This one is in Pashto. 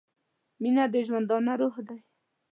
• مینه د ژوندانه روح دی.